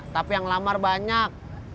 tapi yang lamar banyak